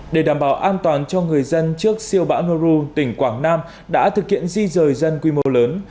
để đảm bảo an toàn cho người dân trước siêu bão noru tỉnh quảng nam đã thực hiện di rời dân quy mô lớn